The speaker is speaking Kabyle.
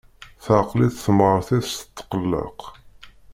Teɛqel-itt temɣart-is tetqelleq.